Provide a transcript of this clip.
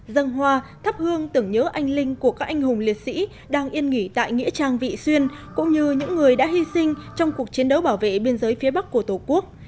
dân hoa thắp hương tưởng nhớ anh linh của các anh hùng liệt sĩ đang yên nghỉ tại nghĩa trang vị xuyên cũng như những người đã hy sinh trong cuộc chiến đấu bảo vệ biên giới phía bắc của tổ quốc